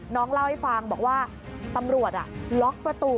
น้องเล่าให้ฟังบอกว่าตำรวจล็อกประตู